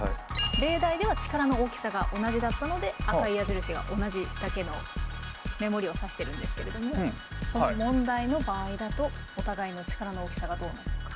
例題では力の大きさが同じだったので赤い矢印が同じだけのメモリを指してるんですけれどもこの問題の場合だとお互いの力の大きさがどうなるのか。